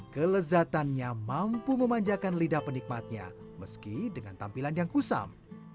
kelezatannya mampu memanjakan lidah penikmatnya meski dengan tampilan yang kusam